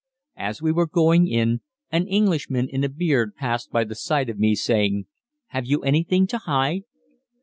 As we were going in, an Englishman in a beard passed by the side of me saying, "Have you anything to hide?"